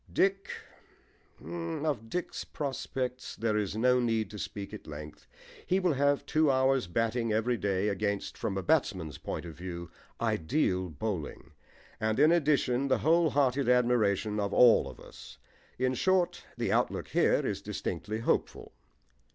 DICK Of Dick's prospects there is no need to speak at length. He will have two hours' batting every day against, from a batsman's point of view, ideal bowling, and in addition the whole hearted admiration of all of us. In short, the outlook here is distinctly hopeful.